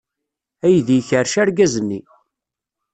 Aydi ikerrec argaz-nni.